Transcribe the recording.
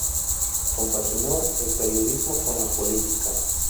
Compaginó el periodismo con la política.